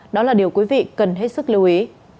đó là điều quý vị cần hết sức lưu ý